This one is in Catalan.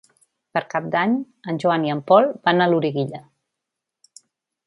Per Cap d'Any en Joan i en Pol van a Loriguilla.